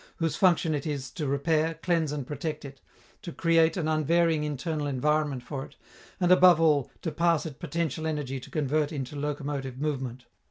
whose function it is to repair, cleanse and protect it, to create an unvarying internal environment for it, and above all to pass it potential energy to convert into locomotive movement.